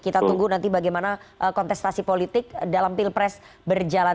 kita tunggu nanti bagaimana kontestasi politik dalam pilpres berjalan